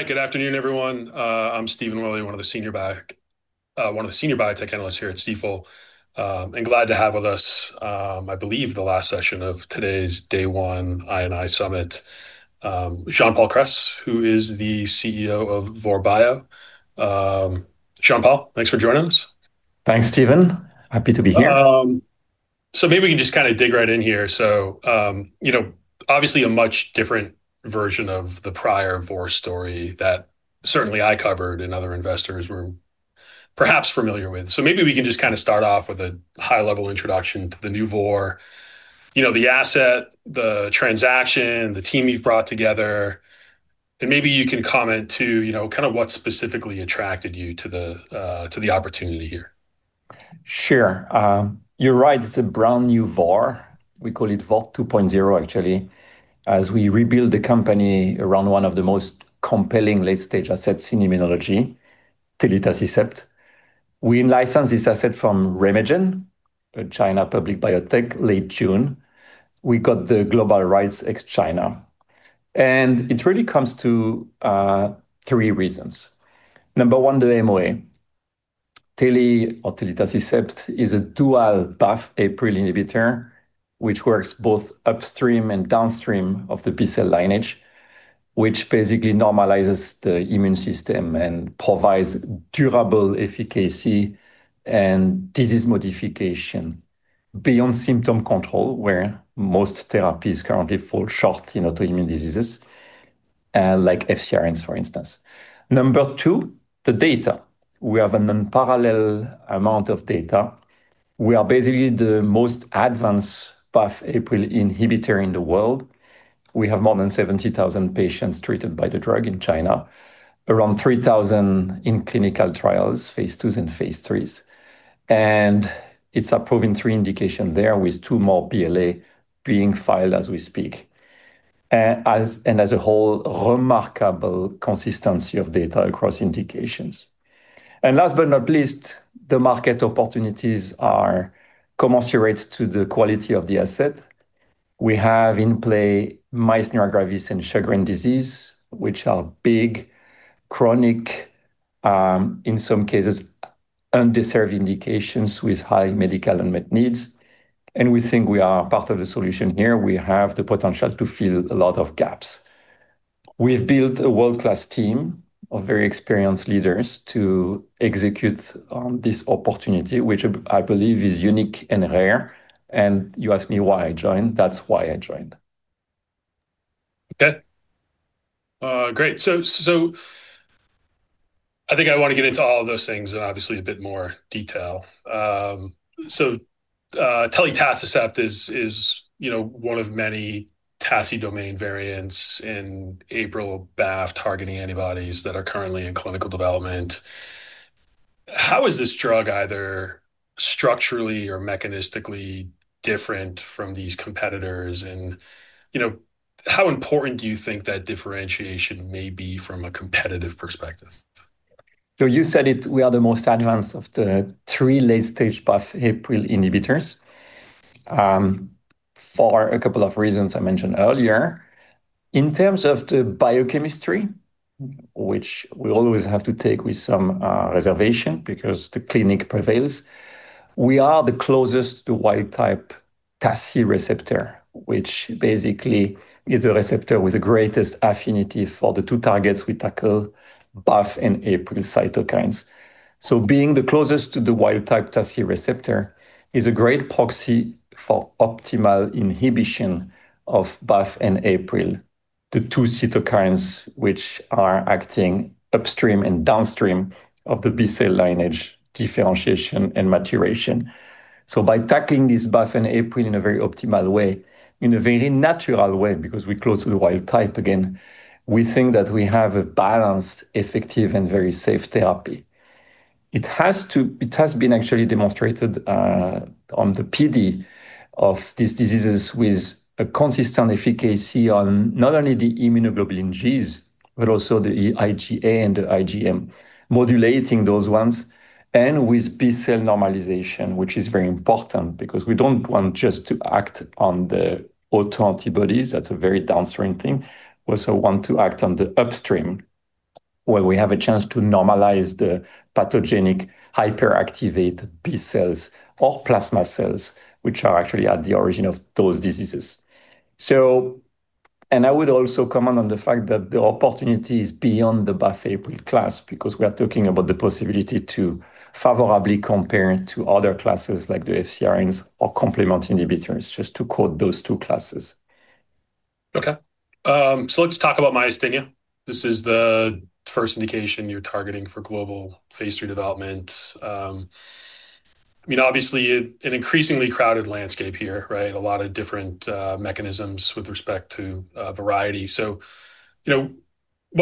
All right, good afternoon, everyone. I'm Stephen Willey, one of the Senior Biotech Analysts here at Stifel, and glad to have with us, I believe the last session of today's day one I&I Summit, Jean-Paul Kress, who is the CEO of Vor Bio. Jean-Paul, thanks for joining us. Thanks, Stephen. Happy to be here. Maybe we can just kind of dig right in here. Obviously a much different version of the prior Vor story that certainly I covered and other investors were perhaps familiar with. Maybe we can just kind of start off with a high-level introduction to the new Vor, the asset, the transaction, the team you've brought together, and maybe you can comment too, what specifically attracted you to the opportunity here. Sure. You're right. It's a brand new Vor. We call it Vor 2.0, actually, as we rebuild the company around one of the most compelling late-stage assets in immunology, telitacicept. We licensed this asset from RemeGen, a China public biotech, late June. We got the global rights ex-China. It really comes to three reasons. Number one, the MOA, telitacicept, is a dual BAFF/APRIL inhibitor, which works both upstream and downstream of the B-cell lineage, which basically normalizes the immune system and provides durable efficacy and disease modification beyond symptom control, where most therapies currently fall short in autoimmune diseases, like FCRN antagonists, for instance. Number two, the data. We have an unparalleled amount of data. We are basically the most advanced BAFF/APRIL inhibitor in the world. We have more than 70,000 patients treated by the drug in China, around 3,000 in clinical trials, phase twos and phase threes. It's a proven three indications there, with two more PLAs being filed as we speak. As a whole, remarkable consistency of data across indications. Last but not least, the market opportunities are commensurate to the quality of the asset. We have in play myasthenia gravis and Sjögren’s disease, which are big, chronic, in some cases, underserved indications with high medical unmet needs. We think we are part of the solution here. We have the potential to fill a lot of gaps. We've built a world-class team of very experienced leaders to execute on this opportunity, which I believe is unique and rare. You asked me why I joined. That's why I joined. Okay, great. I think I want to get into all of those things and obviously a bit more detail. So, telitacicept is, you know, one of many TACI domain variants in APRIL or BAFF targeting antibodies that are currently in clinical development. How is this drug either structurally or mechanistically different from these competitors? You know, how important do you think that differentiation may be from a competitive perspective? You know, you said it, we are the most advanced of the three late-stage BAFF/APRIL inhibitors, for a couple of reasons I mentioned earlier. In terms of the biochemistry, which we always have to take with some reservation because the clinic prevails, we are the closest to the wild type TACI receptor, which basically is the receptor with the greatest affinity for the two targets we tackle, BAFF and APRIL cytokines. Being the closest to the wild type TACI receptor is a great proxy for optimal inhibition of BAFF and APRIL, the two cytokines which are acting upstream and downstream of the B-cell lineage differentiation and maturation. By tackling this BAFF and APRIL in a very optimal way, in a very natural way, because we're close to the wild type again, we think that we have a balanced, effective, and very safe therapy. It has been actually demonstrated on the PD of these diseases with a consistent efficacy on not only the immunoglobulin Gs, but also the IgA and the IgM, modulating those ones, and with B-cell normalization, which is very important because we don't want just to act on the autoantibodies. That's a very downstream thing. We also want to act on the upstream where we have a chance to normalize the pathogenic hyperactivated B cells or plasma cells, which are actually at the origin of those diseases. I would also comment on the fact that the opportunity is beyond the BAFF/APRIL class because we are talking about the possibility to favorably compare to other classes like the FCRN antagonists or complement inhibitors, just to quote those two classes. Okay. Let's talk about myasthenia. This is the first indication you're targeting for global phase III development. I mean, obviously an increasingly crowded landscape here, right? A lot of different mechanisms with respect to variety. What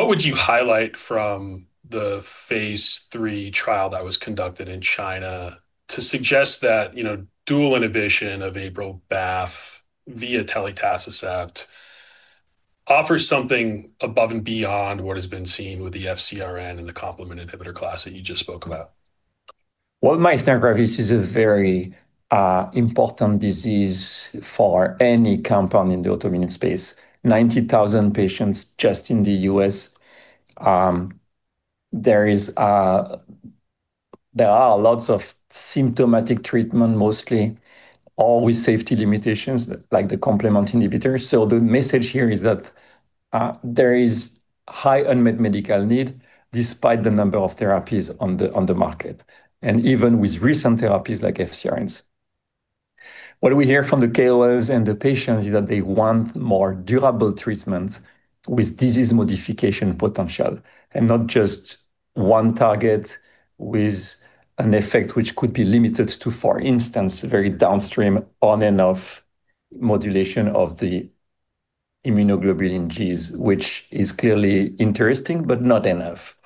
would you highlight from the phase III trial that was conducted in China to suggest that dual inhibition of APRIL-BAFF via telitacicept offers something above and beyond what has been seen with the FCRN and the complement inhibitor class that you just spoke about? Myasthenia gravis is a very important disease for any company in the autoimmune space. 90,000 patients just in the U.S. There are lots of symptomatic treatments, mostly all with safety limitations, like the complement inhibitors. The message here is that there is a high unmet medical need despite the number of therapies on the market and even with recent therapies like FCRN antagonists. What we hear from the KOLs and the patients is that they want more durable treatment with disease modification potential and not just one target with an effect which could be limited to, for instance, very downstream on and off modulation of the immunoglobulin Gs, which is clearly interesting, but not enough.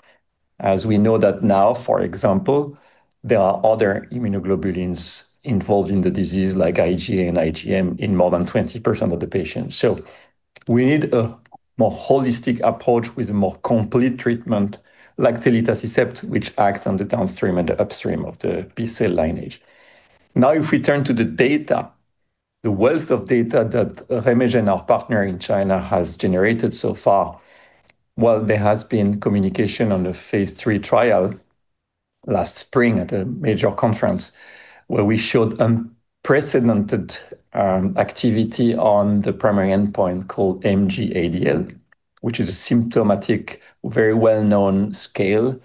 As we know now, for example, there are other immunoglobulins involved in the disease, like IgA and IgM, in more than 20% of the patients. We need a more holistic approach with a more complete treatment like telitacicept, which acts on the downstream and the upstream of the B-cell lineage. If we turn to the data, the wealth of data that RemeGen and our partner in China have generated so far, there has been communication on the phase III trial last spring at a major conference where we showed unprecedented activity on the primary endpoint called MGADL, which is a symptomatic, very well-known scale,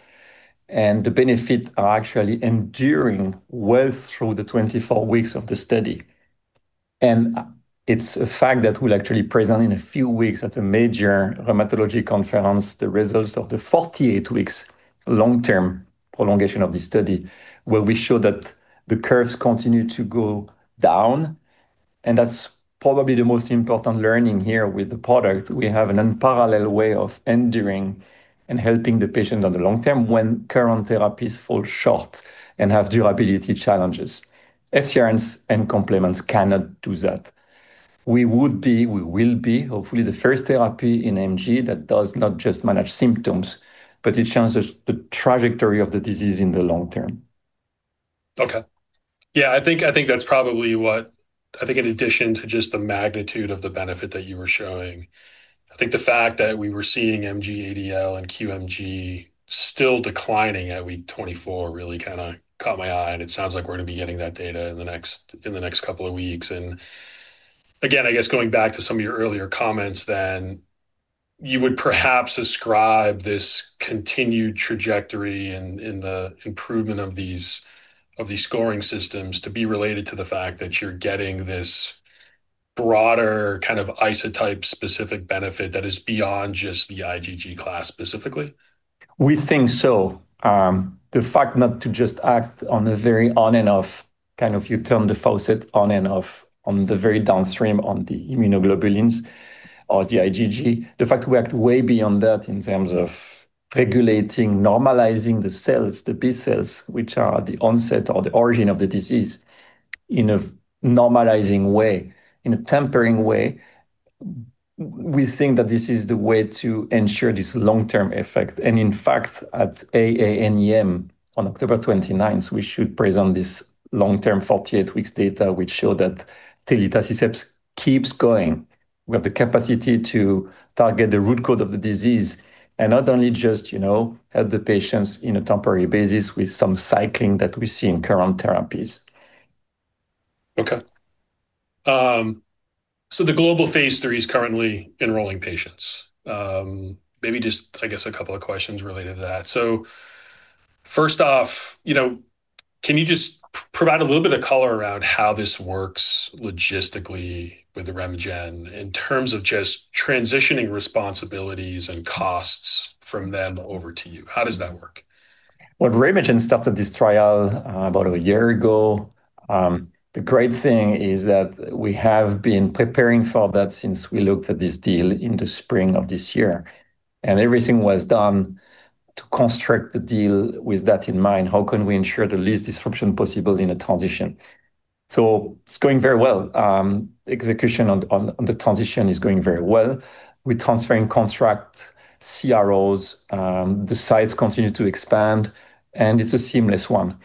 and the benefits are actually enduring well through the 24 weeks of the study. It's a fact that we'll actually present in a few weeks at a major rheumatology conference the results of the 48 weeks long-term prolongation of this study where we show that the curves continue to go down. That's probably the most important learning here with the product. We have an unparalleled way of enduring and helping the patient on the long term when current therapies fall short and have durability challenges. FCRN antagonists and complement inhibitors cannot do that. We will be, hopefully, the first therapy in MG that does not just manage symptoms, but it changes the trajectory of the disease in the long term. Yeah, I think that's probably what I think in addition to just the magnitude of the benefit that you were showing, the fact that we were seeing MGADL and QMG still declining at week 24 really kind of caught my eye. It sounds like we're going to be getting that data in the next couple of weeks. I guess going back to some of your earlier comments, you would perhaps ascribe this continued trajectory in the improvement of these scoring systems to be related to the fact that you're getting this broader kind of isotype specific benefit that is beyond just the IgG class specifically. We think so. The fact not to just act on a very on-and-off kind of, you turn the faucet, on-and-off on the very downstream on the immunoglobulins or the IgG, the fact that we act way beyond that in terms of regulating, normalizing the cells, the B cells, which are the onset or the origin of the disease in a normalizing way, in a tempering way. We think that this is the way to ensure this long-term effect. In fact, at AANEM on October 29, we should present this long-term 48 weeks data, which showed that telitacicept keeps going. We have the capacity to target the root cause of the disease and not only just, you know, help the patients in a temporary basis with some cycling that we see in current therapies. Okay. The global phase III is currently enrolling patients. Maybe just, I guess, a couple of questions related to that. First off, can you just provide a little bit of color around how this works logistically with RemeGen in terms of just transitioning responsibilities and costs from them over to you? How does that work? RemeGen started this trial about a year ago. The great thing is that we have been preparing for that since we looked at this deal in the spring of this year, and everything was done to construct the deal with that in mind. How can we ensure the least disruption possible in a transition? It's going very well. Execution on the transition is going very well. We're transferring contract CROs. The sites continue to expand, and it's a seamless one.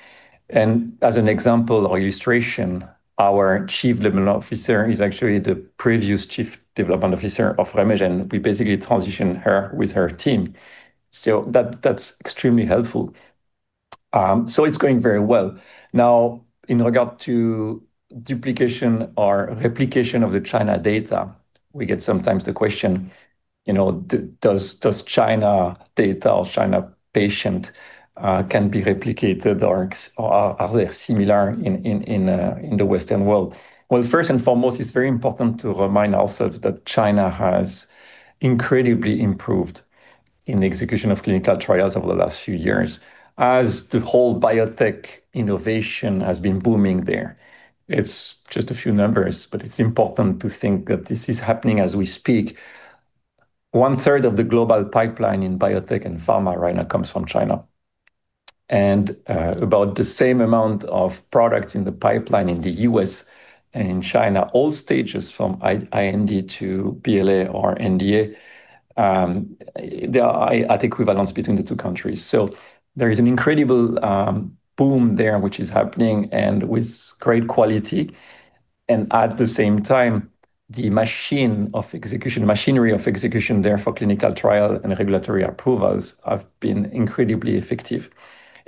As an example or illustration, our Chief Development Officer is actually the previous Chief Development Officer of RemeGen. We basically transitioned her with her team, so that's extremely helpful. It's going very well. In regard to duplication or replication of the China data, we get sometimes the question, does China data or China patient, can be replicated or are they similar in the Western world? First and foremost, it's very important to remind ourselves that China has incredibly improved in the execution of clinical trials over the last few years, as the whole biotech innovation has been booming there. It's just a few numbers, but it's important to think that this is happening as we speak. One third of the global pipeline in biotech and pharma right now comes from China, and about the same amount of products in the pipeline in the U.S. and in China, all stages from IMD to PLA or NDA, there are equivalents between the two countries. There is an incredible boom there, which is happening and with great quality. At the same time, the machine of execution, the machinery of execution there for clinical trial and regulatory approvals has been incredibly effective.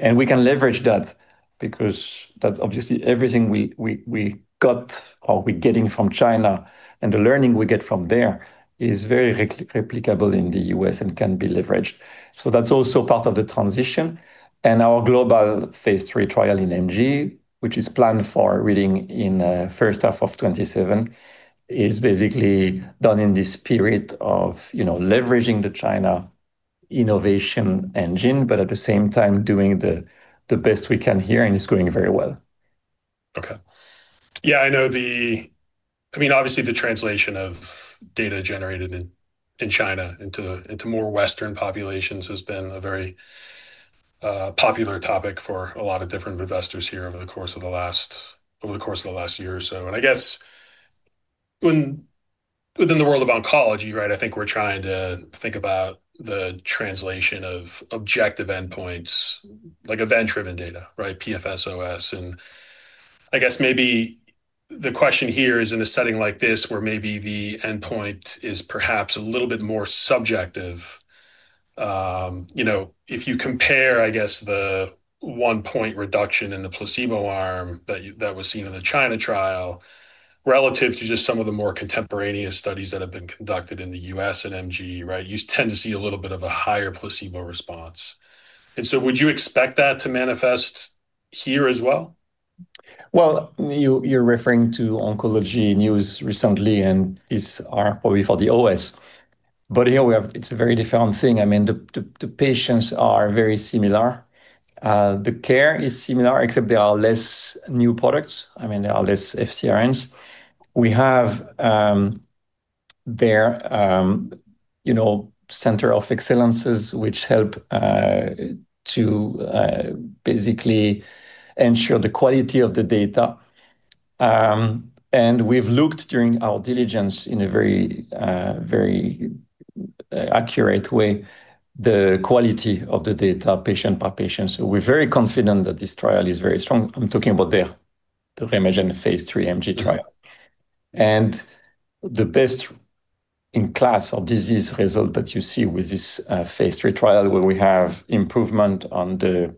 We can leverage that because that's obviously everything we got or we're getting from China, and the learning we get from there is very replicable in the U.S. and can be leveraged. That's also part of the transition. Our global phase III trial in MG, which is planned for reading in the first half of 2027, is basically done in the spirit of leveraging the China innovation engine, but at the same time doing the best we can here, and it's going very well. Okay. Yeah, I know the, I mean, obviously the translation of data generated in China into more Western populations has been a very popular topic for a lot of different investors here over the course of the last year or so. I guess within the world of oncology, right, I think we're trying to think about the translation of objective endpoints, like event-driven data, right, PFSOS. I guess maybe the question here is in a setting like this where maybe the endpoint is perhaps a little bit more subjective. You know, if you compare, I guess, the one-point reduction in the placebo arm that was seen in the China trial relative to just some of the more contemporaneous studies that have been conducted in the U.S. and MG, right, you tend to see a little bit of a higher placebo response. Would you expect that to manifest here as well? You're referring to oncology news recently and it's probably for the U.S. Here, it's a very different thing. I mean, the patients are very similar, the care is similar, except there are less new products. I mean, there are less FCRN antagonists. We have their, you know, centers of excellence, which help to basically ensure the quality of the data. We've looked during our diligence in a very, very accurate way at the quality of the data, patient by patient. We're very confident that this trial is very strong. I'm talking about the RemeGen phase III MG trial. The best-in-class or disease result that you see with this phase III trial, where we have improvement on the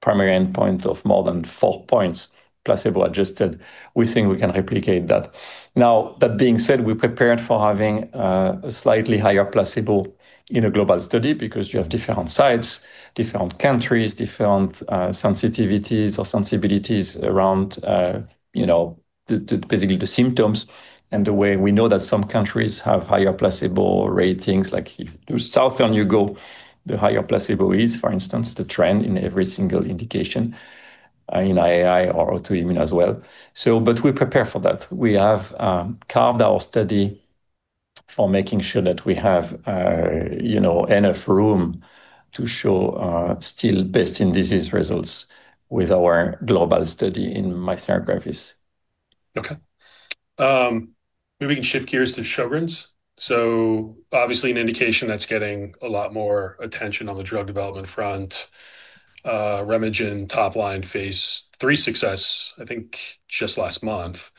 primary endpoint of more than four points, placebo-adjusted, we think we can replicate that. That being said, we prepared for having a slightly higher placebo in a global study because you have different sites, different countries, different sensitivities or sensibilities around, you know, basically the symptoms. The way we know that some countries have higher placebo ratings, like the southern you go, the higher placebo is, for instance, the trend in every single indication in AI or autoimmune as well. We prepare for that. We have carved our study for making sure that we have, you know, enough room to show still best-in-disease results with our global study in myasthenia gravis. Okay. Maybe we can shift gears to Sjögren’s. Obviously, an indication that's getting a lot more attention on the drug development front. RemeGen top line phase III success, I think just last month.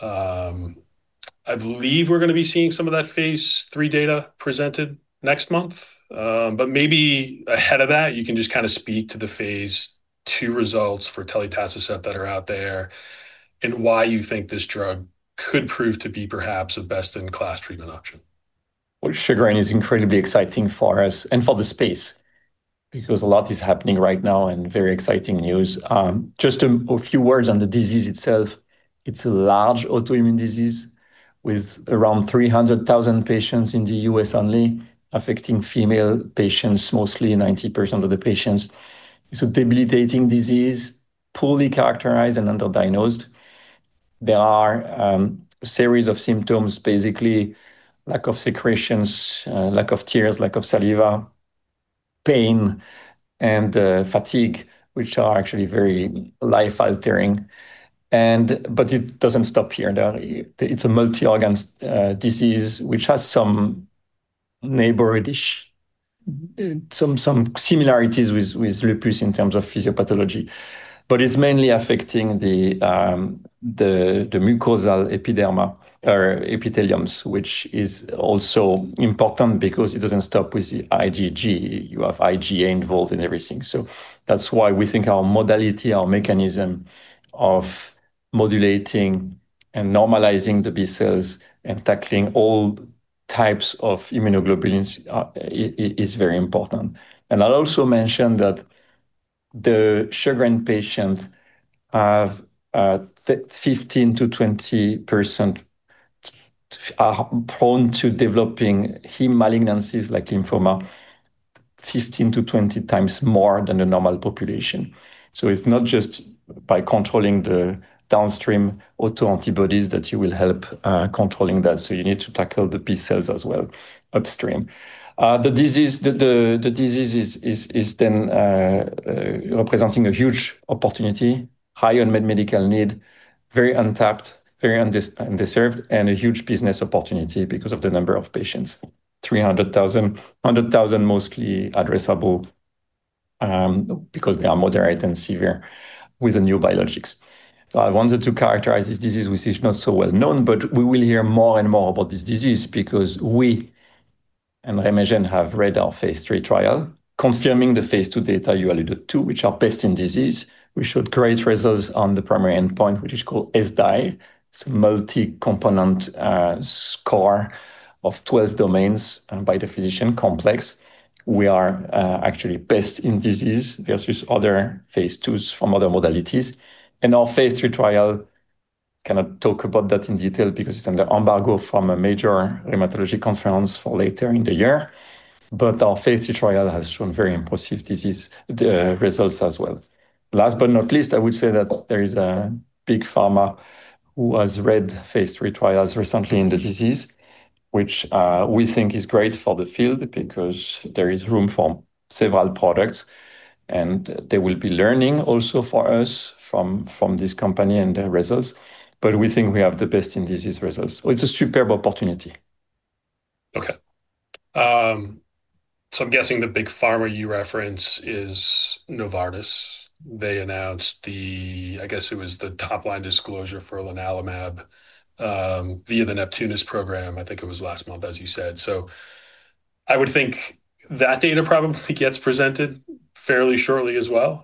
I believe we're going to be seeing some of that phase III data presented next month. Maybe ahead of that, you can just kind of speak to the phase II results for telitacicept that are out there and why you think this drug could prove to be perhaps a best-in-class treatment option. Sjögren is incredibly exciting for us and for the space because a lot is happening right now and very exciting news. Just a few words on the disease itself. It's a large autoimmune disease with around 300,000 patients in the U.S., only affecting female patients, mostly 90% of the patients. It's a debilitating disease, poorly characterized and underdiagnosed. There are a series of symptoms, basically lack of secretions, lack of tears, lack of saliva, pain, and fatigue, which are actually very life-altering. It doesn't stop here. It's a multi-organ disease which has some neighborish, some similarities with lupus in terms of physiopathology. It's mainly affecting the mucosal epidermal, or epitheliums, which is also important because it doesn't stop with the IgG. You have IgA involved in everything. That's why we think our modality, our mechanism of modulating and normalizing the B cells and tackling all types of immunoglobulins is very important. I'll also mention that the Sjögren patients have 15%-20% are prone to developing heme malignancies like lymphoma, 15 x-20 x more than the normal population. It's not just by controlling the downstream autoantibodies that you will help controlling that. You need to tackle the B cells as well upstream. The disease is then representing a huge opportunity, high unmet medical need, very untapped, very undeserved, and a huge business opportunity because of the number of patients, 300,000, 100,000 mostly addressable because they are moderate and severe with the new biologics. I wanted to characterize this disease, which is not so well known, but we will hear more and more about this disease because we and RemeGen have read our phase III trial, confirming the phase II data you alluded to, which are best in disease. We showed great results on the primary endpoint, which is called SDIE. It's a multi-component score of 12 domains and by the physician complex. We are actually best in disease versus other phase IIs from other modalities. Our phase III trial, I cannot talk about that in detail because it's under embargo from a major rheumatology conference for later in the year. Our phase III trial has shown very impressive disease results as well. Last but not least, I would say that there is a big pharma who has read phase III trials recently in the disease, which we think is great for the field because there is room for several products and they will be learning also for us from this company and their results. We think we have the best in disease results. It's a superb opportunity. Okay. I'm guessing the big pharma you reference is Novartis. They announced the, I guess it was the top line disclosure for lenalumab, via the Neptunus program. I think it was last month, as you said. I would think that data probably gets presented fairly shortly as well.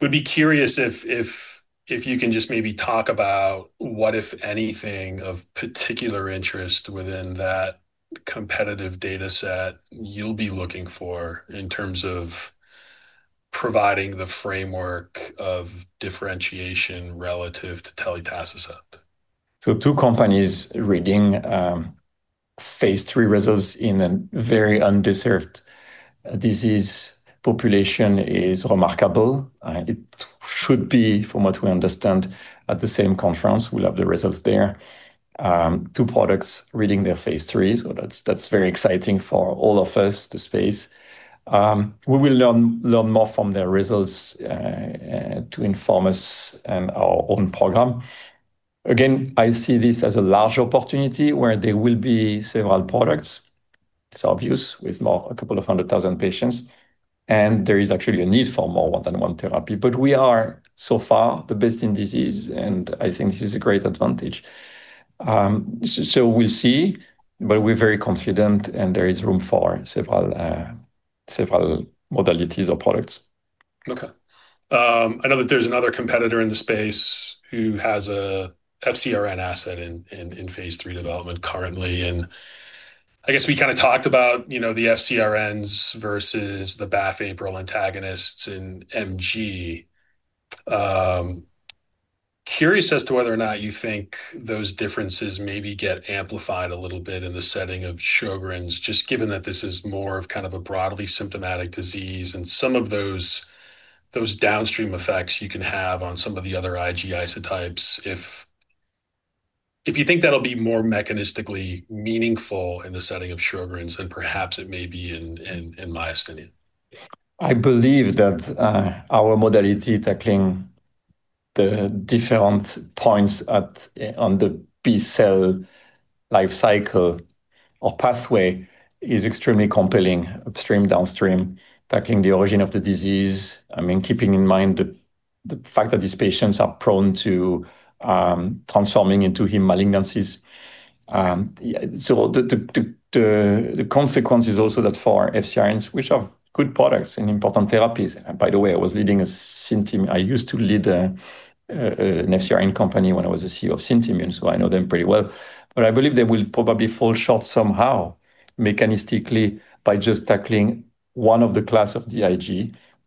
Would be curious if you can just maybe talk about what, if anything, of particular interest within that competitive data set you'll be looking for in terms of providing the framework of differentiation relative to telitacicept. Two companies reading phase III results in a very undeserved disease population is remarkable. It should be, from what we understand, at the same conference. We'll have the results there. Two products reading their phase III. That's very exciting for all of us, the space. We will learn more from their results to inform us and our own program. Again, I see this as a large opportunity where there will be several products. It's obvious with more a couple of hundred thousand patients. There is actually a need for more one-on-one therapy, but we are so far the best in disease. I think this is a great advantage. We'll see, but we're very confident and there is room for several modalities or products. Okay. I know that there's another competitor in the space who has a FCRN asset in phase III development currently. I guess we kind of talked about, you know, the FCRN antagonists versus the BAFF/APRIL antagonists in MG. Curious as to whether or not you think those differences maybe get amplified a little bit in the setting of Sjögren’s, just given that this is more of kind of a broadly symptomatic disease and some of those downstream effects you can have on some of the other IgG cytotypes. If you think that'll be more mechanistically meaningful in the setting of Sjögren’s than perhaps it may be in myasthenia. I believe that our modality tackling the different points on the B-cell life cycle or pathway is extremely compelling, upstream, downstream, tackling the origin of the disease. Keeping in mind the fact that these patients are prone to transforming into heme malignancies, the consequence is also that for FCRN antagonists, which are good products and important therapies. By the way, I was leading a synthesis. I used to lead an FCRN company when I was CEO of SystImmune, so I know them pretty well. I believe they will probably fall short somehow mechanistically by just tackling one of the classes of the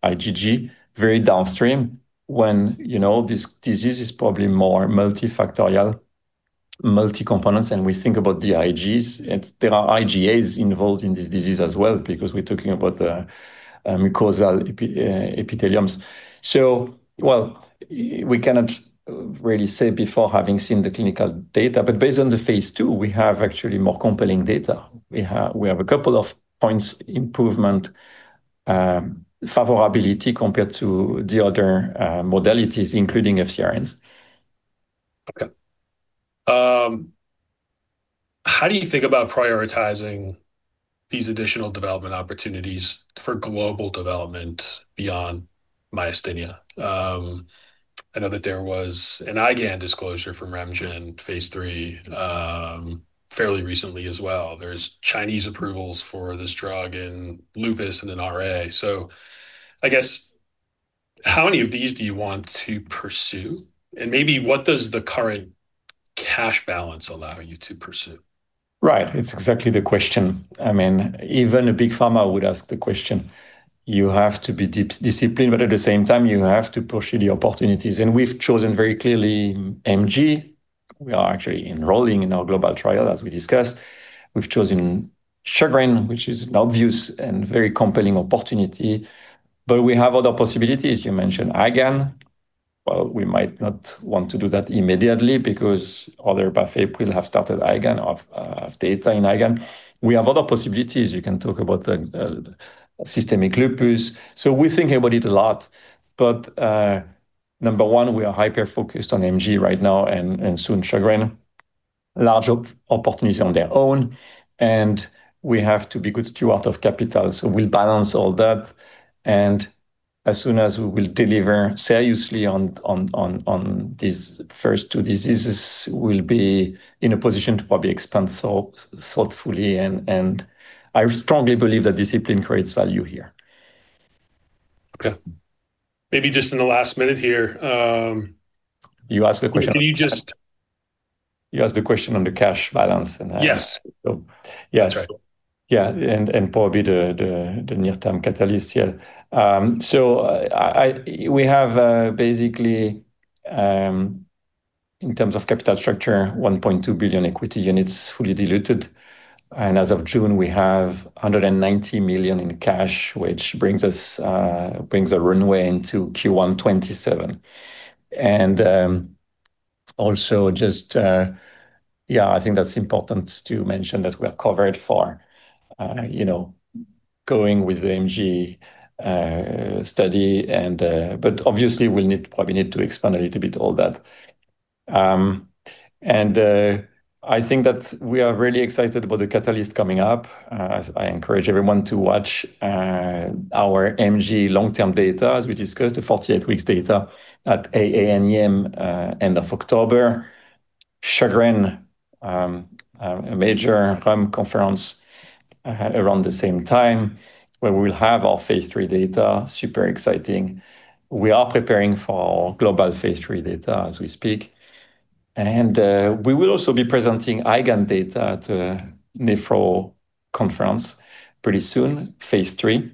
IgG, very downstream when this disease is probably more multifactorial, multi-components. We think about the IgGs and there are IgAs involved in this disease as well because we're talking about the mucosal epitheliums. We cannot really say before having seen the clinical data, but based on the phase II, we have actually more compelling data. We have a couple of points improvement, favorability compared to the other modalities, including FCRN antagonists. How do you think about prioritizing these additional development opportunities for global development beyond myasthenia? I know that there was an IgA disclosure from RemeGen phase III, fairly recently as well. There are Chinese approvals for this drug in lupus and in rheumatoid arthritis. I guess how many of these do you want to pursue, and what does the current cash balance allow you to pursue? Right. It's exactly the question. I mean, even a big pharma would ask the question. You have to be disciplined, but at the same time, you have to pursue the opportunities. We've chosen very clearly MG. We are actually enrolling in our global trial, as we discussed. We've chosen Sjögren’s, which is an obvious and very compelling opportunity. We have other possibilities. You mentioned IgAN. We might not want to do that immediately because other BAFF/APRIL have started IgAN or have data in IgAN. We have other possibilities. You can talk about the systemic lupus. We're thinking about it a lot. Number one, we are hyper-focused on MG right now and soon Sjögren’s. Large opportunities on their own. We have to be good stewards of capital. We'll balance all that. As soon as we deliver seriously on these first two diseases, we'll be in a position to probably expand thoughtfully. I strongly believe that discipline creates value here. Okay. Maybe just in the last minute here, You asked the question. Can you just. You asked the question on the cash balance. Yes. Yes, probably the near-term catalyst here. We have, basically, in terms of capital structure, $1.2 billion equity units fully diluted. As of June, we have $190 million in cash, which brings a runway into Q1 2027. I think that's important to mention that we are covered for going with the MG study. Obviously, we'll probably need to expand a little bit to all that. I think that we are really excited about the catalyst coming up. I encourage everyone to watch our MG long-term data, as we discussed, the 48 weeks data at AANEM, end of October. Sjögren’s, a major conference, at around the same time where we'll have our phase III data, super exciting. We are preparing for our global phase III data as we speak. We will also be presenting IgA data at a NEFRO conference pretty soon, phase III,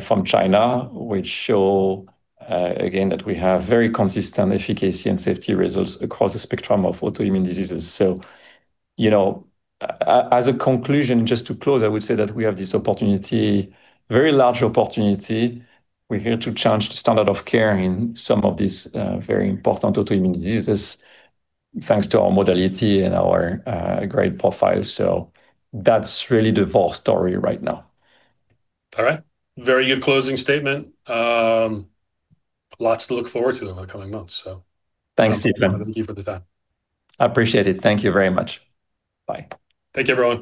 from China, which show, again, that we have very consistent efficacy and safety results across the spectrum of autoimmune diseases. As a conclusion, just to close, I would say that we have this opportunity, very large opportunity. We're here to change the standard of care in some of these very important autoimmune diseases, thanks to our modality and our great profile. That's really the Vor Bio story right now. All right. Very good closing statement. Lots to look forward to in the coming months. Thanks, Stephen. Thank you for the time. I appreciate it. Thank you very much. Bye. Thank you, everyone.